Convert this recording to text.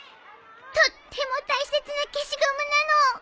とっても大切な消しゴムなの！